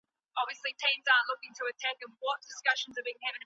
د ژوند رڼا یوازي لایقو ته نه سي سپارل کېدلای.